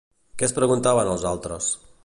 Què es preguntaven els altres?